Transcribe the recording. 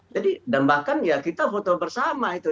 jadi dan bahkan ya kita foto bersama itu